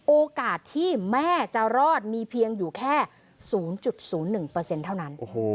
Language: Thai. โอกาสที่แม่จะรอดมีเพียงอยู่แค่๐๐๑เปอร์เซ็นต์เท่านั้น